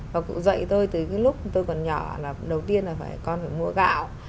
và cụ dạy tôi từ cái lúc tôi còn nhỏ là đầu tiên là phải con phải mua gạo